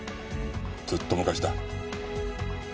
ずっと昔だ。